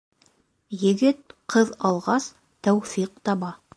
Егет ҡыҙ алғас, тәүфиҡ таба.